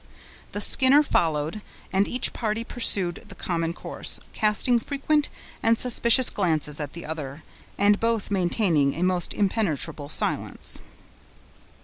The Skinner followed, and each party pursued the common course, casting frequent and suspicious glances at the other, and both maintaining a most impenetrable silence.